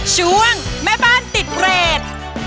ช่วงแม่บ้านติดเรท